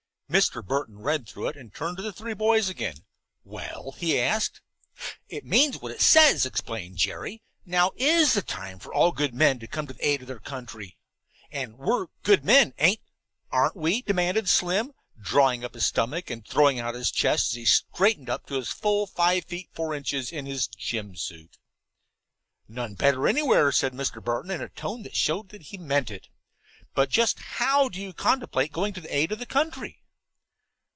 Mr. Burton read it through and then turned to the three boys again. "Well?" he asked. "It means what it says," explained Jerry. "Now is the time for all good men to come to the aid of their country." "And we're 'good men,' ain't aren't we?" demanded Slim, drawing in his stomach and throwing out his chest as he straightened up to his full five feet four inches "in his gym suit." "None better anywhere," said Mr. Burton in a tone that showed he meant it. "But just how do you contemplate going to the aid of your country?"